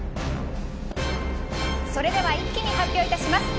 それでは一気に発表いたします。